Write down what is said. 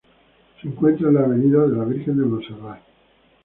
Se encuentra en la avenida de la Virgen de Montserrat.